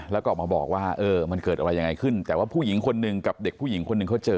แล้วก็ออกมาบอกว่าเออมันเกิดอะไรยังไงขึ้นแต่ว่าผู้หญิงคนหนึ่งกับเด็กผู้หญิงคนหนึ่งเขาเจอ